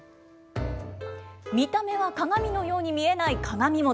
見た目は鏡のように見えない鏡餅。